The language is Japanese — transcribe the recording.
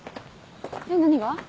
えっ何が？